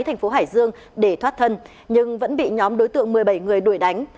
thành phố hải dương để thoát thân nhưng vẫn bị nhóm đối tượng một mươi bảy người đuổi đánh